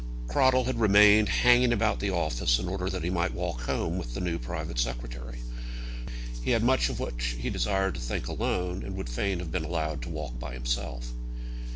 Cradell had remained, hanging about the office, in order that he might walk home with the new private secretary. But Eames did not desire this. He had much of which he desired to think alone, and would fain have been allowed to walk by himself.